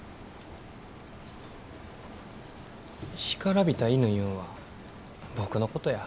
干からびた犬いうんは僕のことや。